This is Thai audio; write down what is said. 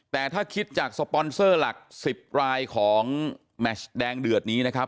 แต่ถ้าคิดจากสปอนเซอร์หลัก๑๐รายของแมชแดงเดือดนี้นะครับ